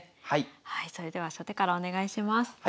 はいそれでは初手からお願いします。